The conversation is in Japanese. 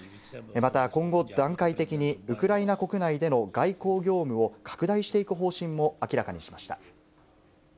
また今後、段階的にウクライナ国内での外交業務を拡大していく方針も明らかにしました。